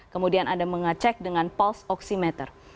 kemudian anda mengecek dengan pals oximeter